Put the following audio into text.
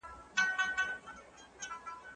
د انټرنیټ سرعت باید په هېواد کي ټیټ نه وي.